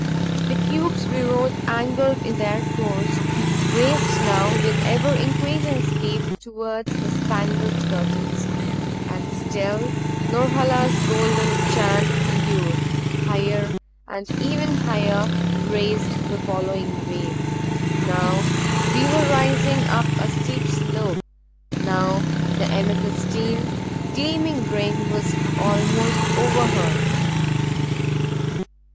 The cubes we rode angled in their course; raced now with ever increasing speed toward the spangled curtains. And still Norhala's golden chant lured; higher and even higher reached the following wave. Now we were rising upon a steep slope; now the amethystine, gleaming ring was almost overheard.